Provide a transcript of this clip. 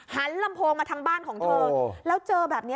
หันลำโพงมาทำบ้านของเธอ